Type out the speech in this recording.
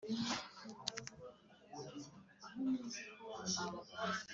Aya ni yo mazina yabo: Benihuri wo mu gihugu cy’imisozi miremire cya Efurayimu